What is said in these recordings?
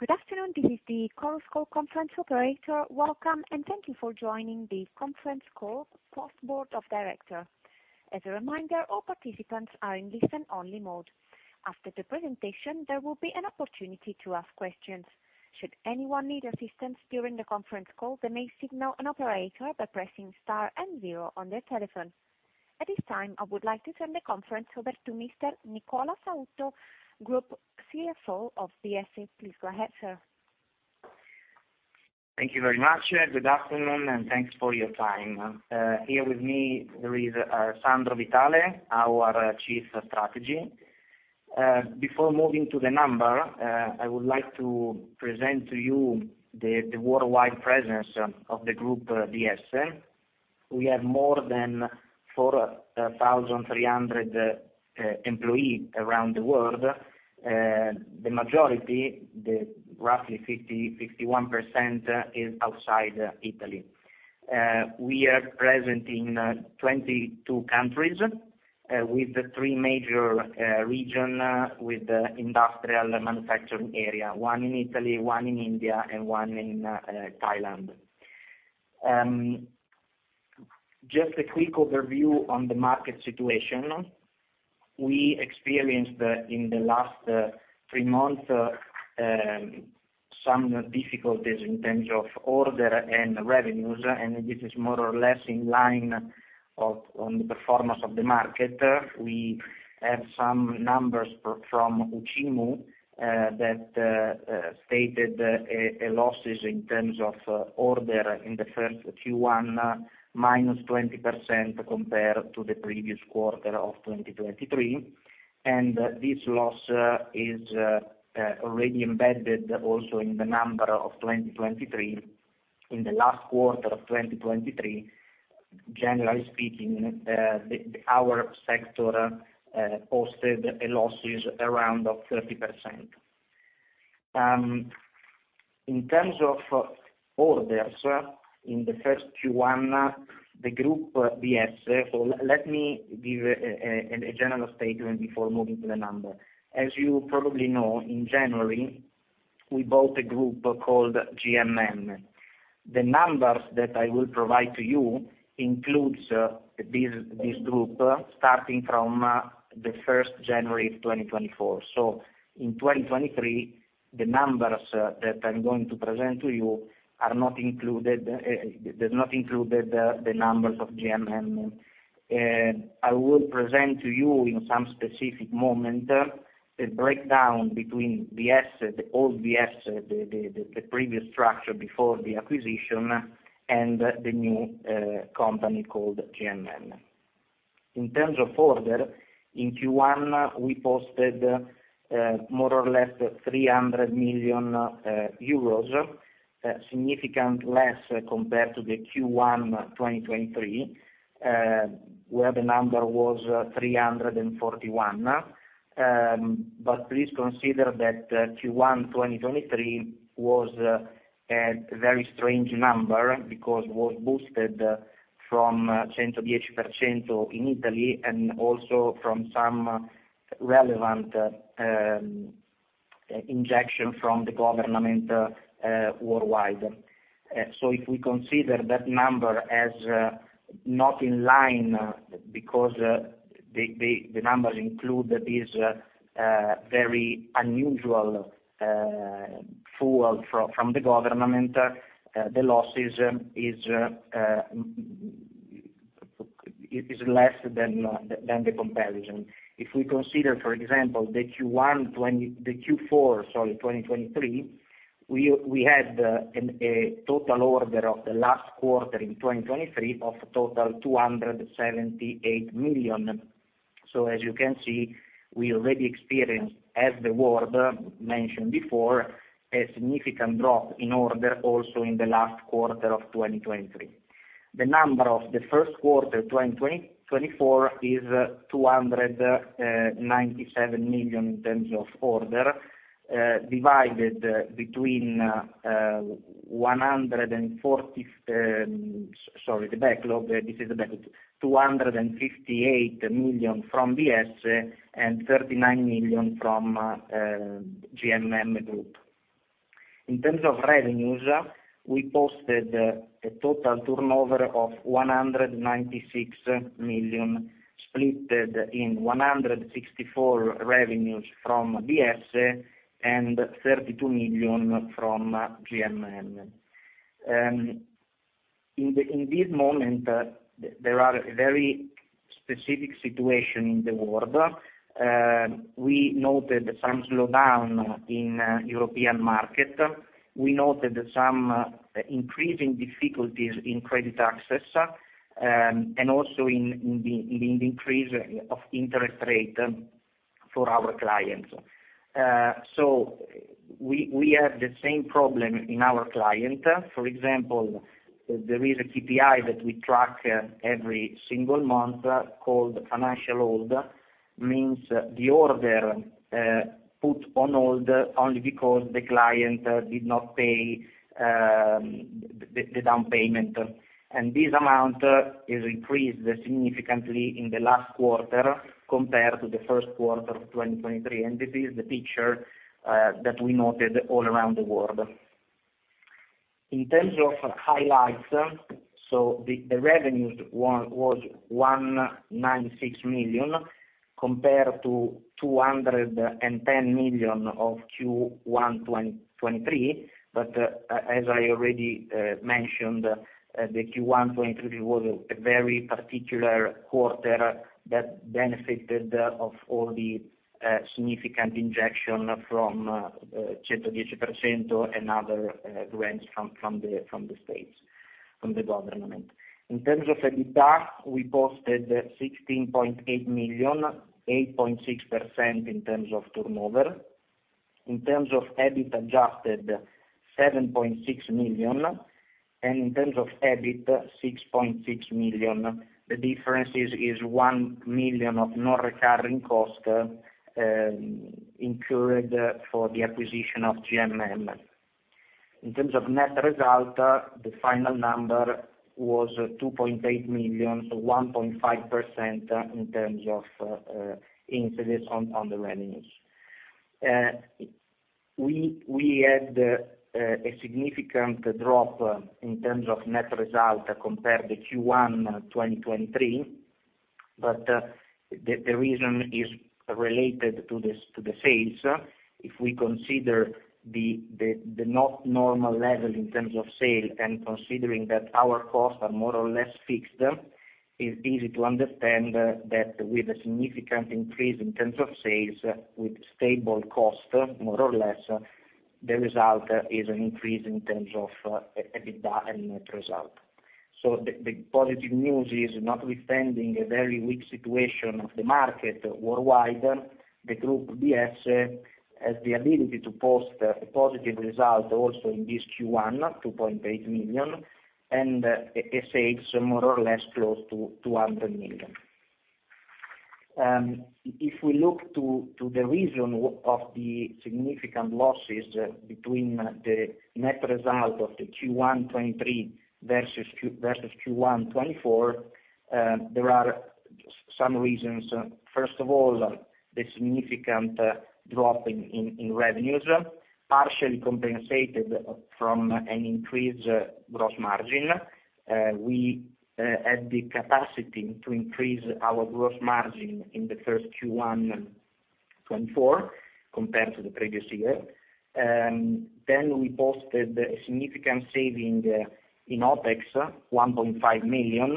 Good afternoon, this is the Chorus Call Conference Operator. Welcome, and thank you for joining the conference call post Board of Directors. As a reminder, all participants are in listen-only mode. After the presentation, there will be an opportunity to ask questions. Should anyone need assistance during the conference call, they may signal an operator by pressing star and zero on their telephone. At this time, I would like to turn the conference over to Mr. Nicola Sautto, Group CFO of Biesse. Please go ahead, sir. Thank you very much. Good afternoon, and thanks for your time. Here with me, there is Sandro Vitale, our Chief of Strategy. Before moving to the number, I would like to present to you the worldwide presence of the group, Biesse. We have more than 4,300 employee around the world. The majority, the roughly 50-51%, is outside Italy. We are present in 22 countries, with the three major region, with the industrial manufacturing area, one in Italy, one in India, and one in Thailand. Just a quick overview on the market situation. We experienced in the last 3 months some difficulties in terms of order and revenues, and this is more or less in line of, on the performance of the market. We have some numbers from UCIMU that stated a losses in terms of order in the first Q1 minus 20% compared to the previous quarter of 2023. This loss is already embedded also in the number of 2023. In the last quarter of 2023, generally speaking, our sector posted a losses around of 30%. In terms of orders, in the first Q1, the group Biesse. Let me give a general statement before moving to the number. As you probably know, in January, we bought a group called GMM. The numbers that I will provide to you includes this group, starting from the first January of 2024. In 2023, the numbers that I'm going to present to you are not included, does not include the numbers of GMM. I will present to you in some specific moment the breakdown between Biesse, the old Biesse, the previous structure before the acquisition, and the new company called GMM. In terms of order, in Q1, we posted more or less 300 million euros, significant less compared to the Q1 2023, where the number was 341 million. But please consider that Q1 2023 was a very strange number because it was boosted from 110% in Italy, and also from some relevant injection from the government worldwide. So if we consider that number as not in line, because the numbers include these very unusual funds from the government, the losses is less than the comparison. If we consider, for example, the Q4, sorry, 2023, we had a total order of the last quarter in 2023 of total 278 million EUR. So as you can see, we already experienced, as was mentioned before, a significant drop in order also in the last quarter of 2023. The number of the first quarter twenty twenty-four is 297 million in terms of order, divided between one hundred and forty, the backlog, this is the backlog, 258 million from Biesse and 39 million from GMM Group. In terms of revenues, we posted a total turnover of 196 million, split in 164 million revenues from Biesse and 32 million from GMM Group. In this moment, there are a very specific situation in the world. We noted some slowdown in European market. We noted some increasing difficulties in credit access, and also in the increase of interest rate for our clients. So we have the same problem in our client. For example, there is a KPI that we track every single month called financial hold, means the order put on hold only because the client did not pay the down payment. And this amount is increased significantly in the last quarter compared to the first quarter of 2023, and this is the picture that we noted all around the world. In terms of highlights, so the revenues were, was 196 million, compared to 210 million of Q1 2023. But as I already mentioned, the Q1 2023 was a very particular quarter that benefited of all the significant injection from 110% and other grants from the states, from the government. In terms of EBITDA, we posted 16.8 million, 8.6% in terms of turnover. In terms of EBIT Adjusted, 7.6 million, and in terms of EBIT, 6.6 million. The difference is one million of non-recurring cost incurred for the acquisition of GMM. In terms of net result, the final number was 2.8 million, so 1.5% in terms of incidence on the revenues. We had a significant drop in terms of net result compared to Q1 2023, but the reason is related to the sales. If we consider the not normal level in terms of sales, and considering that our costs are more or less fixed, it's easy to understand that with a significant increase in terms of sales, with stable costs, more or less, the result is an increase in terms of EBITDA and net result. So the positive news is, notwithstanding a very weak situation of the market worldwide, the Biesse Group has the ability to post a positive result also in this Q1, 2.8 million, and sales more or less close to 200 million. If we look to the reasons of the significant losses between the net result of the Q1 2023 versus Q1 2024, there are some reasons. First of all, the significant drop in revenues, partially compensated from an increased gross margin. We had the capacity to increase our gross margin in the first Q1 2024 compared to the previous year. Then we posted a significant saving in OpEx, 1.5 million,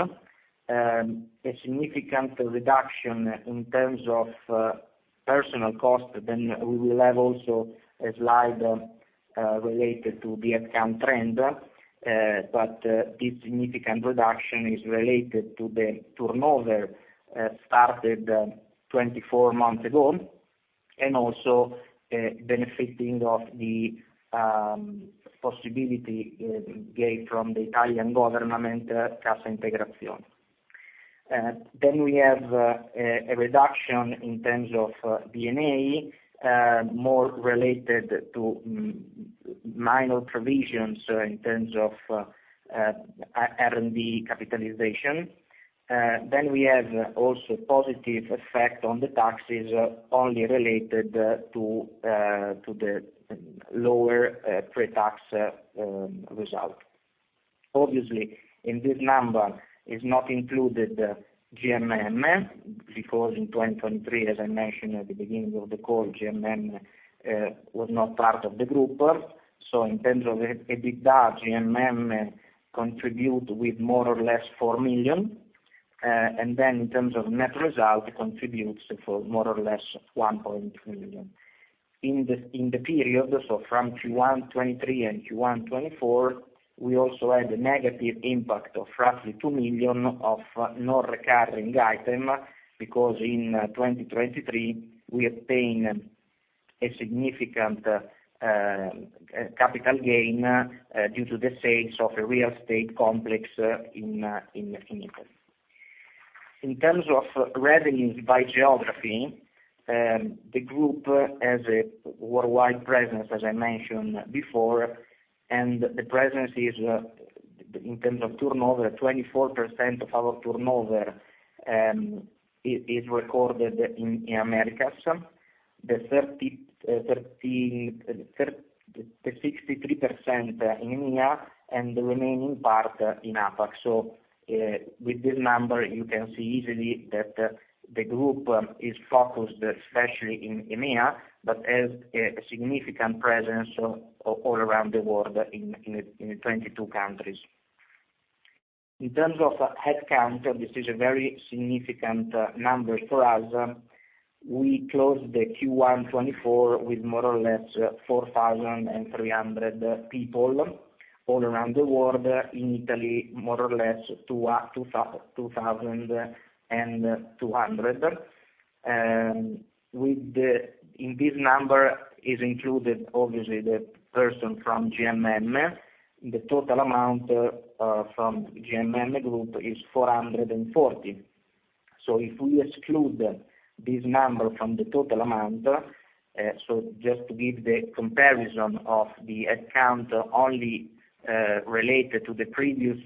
a significant reduction in terms of personnel cost. We will have also a slide related to the headcount trend, but this significant reduction is related to the turnover started 24 months ago, and also benefiting of the possibility gave from the Italian government, Cassa Integrazione. Then we have a reduction in terms of D&A, more related to minor provisions in terms of R&D capitalization. Then we have also positive effect on the taxes only related to the lower pre-tax result. Obviously, in this number is not included GMM, because in 2023, as I mentioned at the beginning of the call, GMM was not part of the group. So in terms of EBITDA, GMM contributes with more or less 4 million, and then in terms of net result, contributes for more or less 1 million. In the period, so from Q1 2023 and Q1 2024, we also had a negative impact of roughly 2 million of non-recurring item, because in 2023, we obtained a significant capital gain due to the sales of a real estate complex in Italy. In terms of revenues by geography, the group has a worldwide presence, as I mentioned before, and the presence is in terms of turnover, 24% of our turnover is recorded in Americas, the 63% in EMEA, and the remaining part in APAC. So, with this number, you can see easily that the group is focused especially in EMEA, but has a significant presence all around the world in 22 countries. In terms of headcount, this is a very significant number for us. We closed the Q1 2024 with more or less 4,300 people all around the world. In Italy, more or less 2,200. In this number is included, obviously, the person from GMM. The total amount from GMM Group is four hundred and forty. So if we exclude this number from the total amount, just to give the comparison of the account only related to the previous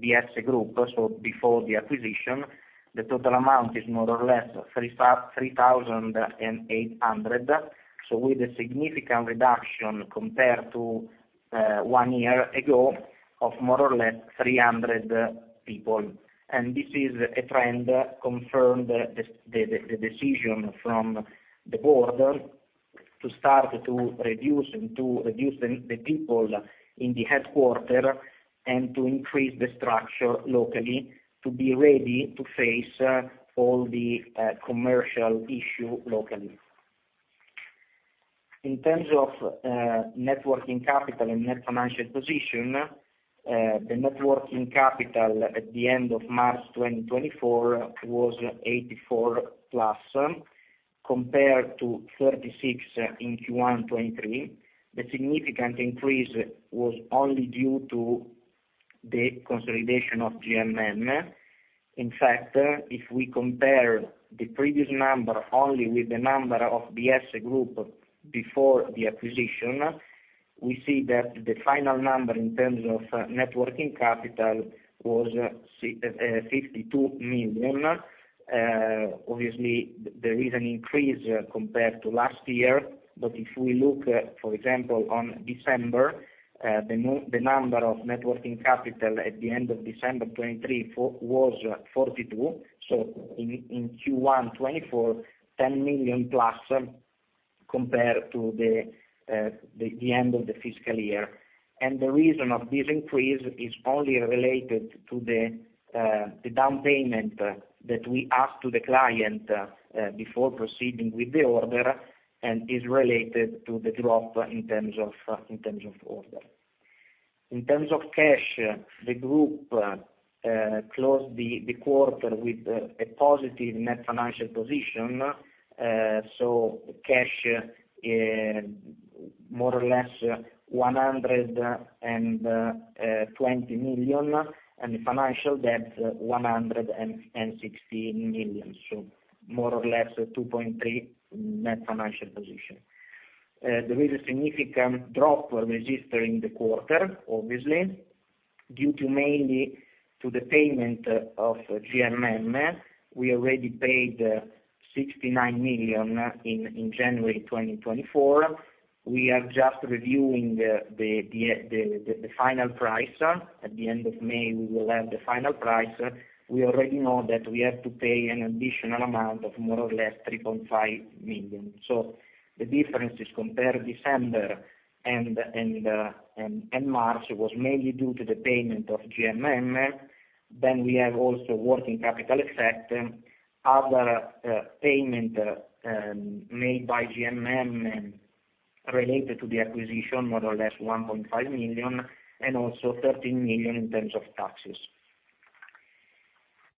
Biesse Group, so before the acquisition, the total amount is more or less three thousand and eight hundred. So with a significant reduction compared to one year ago of more or less three hundred people. And this is a trend confirmed the decision from the board to start to reduce the people in the headquarters and to increase the structure locally, to be ready to face all the commercial issue locally. In terms of net working capital and net financial position, the net working capital at the end of March 2024 was 84+ million, compared to 36 million in Q1 2023. The significant increase was only due to the consolidation of GMM. In fact, if we compare the previous number only with the number of Biesse Group before the acquisition, we see that the final number in terms of net working capital was 52 million. Obviously, there is an increase compared to last year, but if we look, for example, on December, the number of net working capital at the end of December 2023 was 42, so in Q1 2024, 10 million plus compared to the end of the fiscal year. The reason for this increase is only related to the down payment that we ask to the client before proceeding with the order, and is related to the drop in terms of order. In terms of cash, the group closed the quarter with a positive net financial position, so cash more or less 120 million, and the financial debt 160 million, so more or less 2.3 net financial position. There is a significant drop registered in the quarter, obviously, due mainly to the payment of GMM. We already paid 69 million in January 2024. We are just reviewing the final price. At the end of May, we will have the final price. We already know that we have to pay an additional amount of more or less 3.5 million. So the difference is, compare December and March was mainly due to the payment of GMM. Then we have also working capital effect, other payment made by GMM related to the acquisition, more or less 1.5 million, and also 13 million in terms of taxes.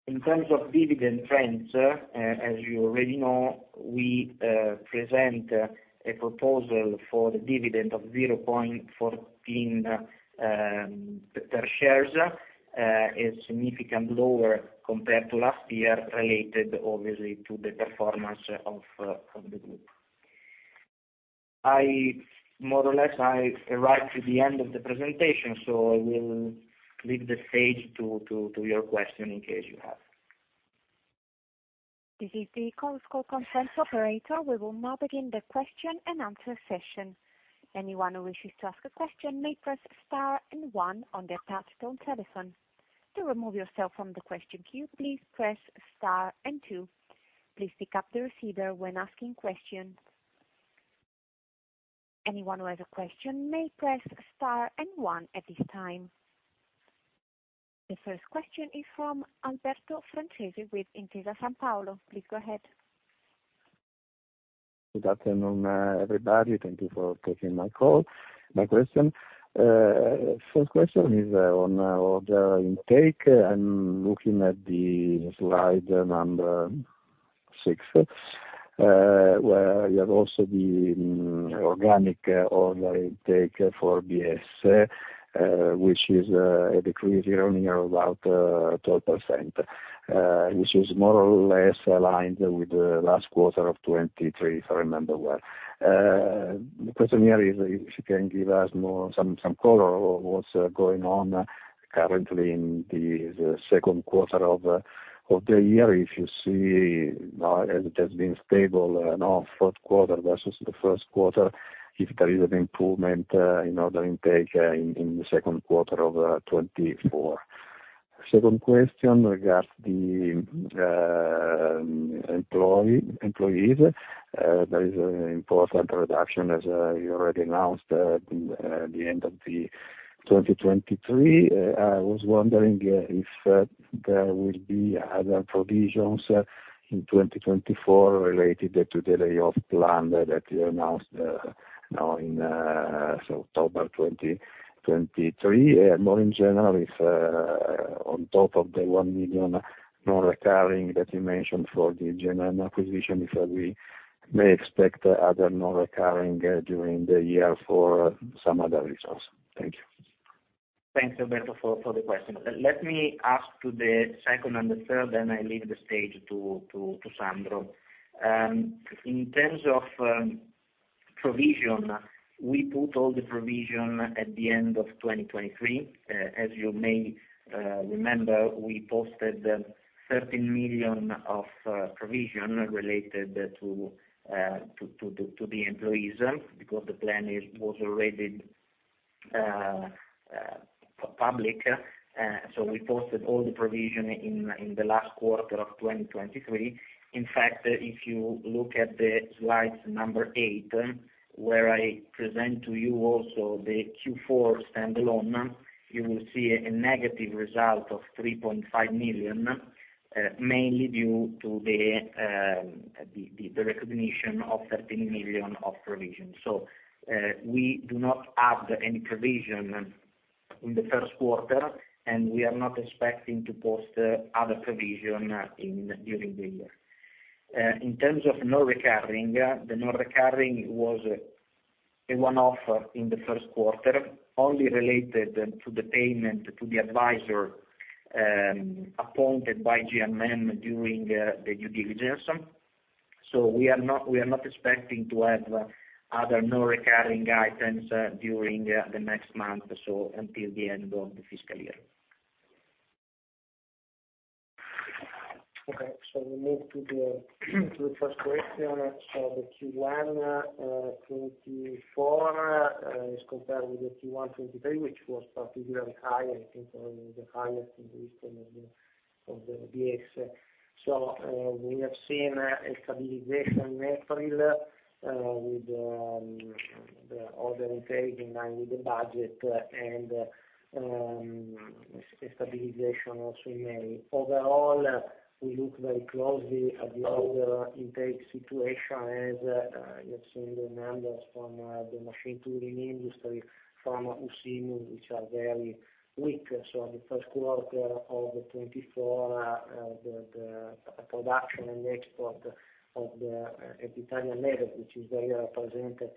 In terms of dividend trends, as you already know, we present a proposal for the dividend of 0.14 per shares is significant lower compared to last year, related obviously to the performance of the group. I more or less, I arrived to the end of the presentation, so I will leave the stage to your question in case you have. This is the Chorus Call conference operator. We will now begin the question and answer session. Anyone who wishes to ask a question may press star and one on their touchtone telephone. To remove yourself from the question queue, please press star and two. Please pick up the receiver when asking questions. Anyone who has a question may press star and one at this time. The first question is from Alberto Francese with Intesa Sanpaolo. Please go ahead. Good afternoon, everybody. Thank you for taking my call, my question. First question is on order intake. I'm looking at the slide number 6, where you have also the organic order intake for BS, which is a decrease year-on-year about 12%, which is more or less aligned with the last quarter of 2023, if I remember well. The question here is if you can give us some color on what's going on currently in the second quarter of the year, if you see now as it has been stable, now, fourth quarter versus the first quarter, if there is an improvement in order intake in the second quarter of 2024. Second question regards the employees. There is an important reduction, as you already announced, in the end of 2023. I was wondering if there will be other provisions in 2024 related to the layoff plan that you announced now in October 2023. More in general, if on top of the 1 million non-recurring that you mentioned for the GMM acquisition, if we may expect other non-recurring during the year for some other reasons. Thank you.... Thanks, Alberto, for the question. Let me ask to the second and the third, then I leave the stage to Sandro. In terms of provision, we put all the provision at the end of twenty twenty-three. As you may remember, we posted 13 million of provision related to the employees, because the plan was already public. So we posted all the provision in the last quarter of twenty twenty-three. In fact, if you look at the slide number 8, where I present to you also the Q4 standalone, you will see a negative result of 3.5 million, mainly due to the recognition of 13 million of provision. So, we do not add any provision in the first quarter, and we are not expecting to post other provision during the year. In terms of non-recurring, the non-recurring was a one-off in the first quarter, only related to the payment to the advisor appointed by GMM during the due diligence. So we are not expecting to have other non-recurring items during the next month, so until the end of the fiscal year. Okay, so we move to the first question. So the Q1 2024 as compared with the Q1 2023, which was particularly high, I think the highest in the history of the Biesse. So we have seen a stabilization in April with the order intake in line with the budget and a stabilization also in May. Overall, we look very closely at the order intake situation, as you have seen the numbers from the machine tooling industry, from UCIMU, which are very weak. So the first quarter of 2024 the production and export at the Italian level, which is very representative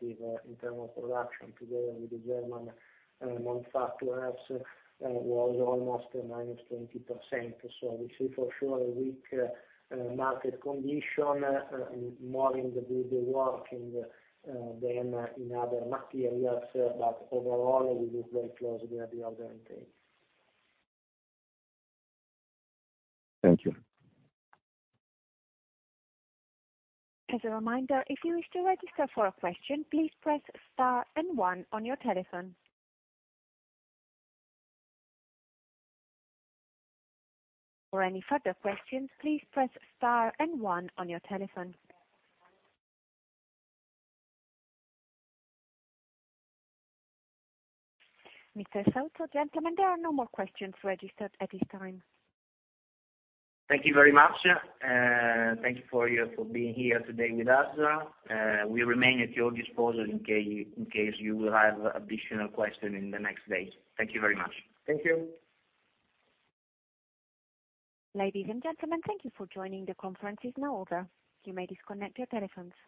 in terms of production together with the German manufacturers, was almost minus 20%. So we see for sure a weak market condition, more in the woodworking than in other materials, but overall, we look very closely at the order intake. Thank you. As a reminder, if you wish to register for a question, please press star and one on your telephone. For any further questions, please press star and one on your telephone. Mr. Sautto, gentlemen, there are no more questions registered at this time. Thank you very much. Thank you for being here today with us. We remain at your disposal in case you will have additional questions in the next days. Thank you very much. Thank you. Ladies and gentlemen, thank you for joining. The conference is now over. You may disconnect your telephones.